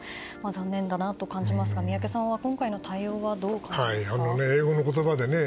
残念だなと感じますが宮家さんは今回の対応はどう感じますか。